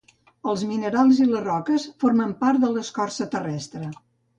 Els minerals i les roques formen part de l'escorça terrestre.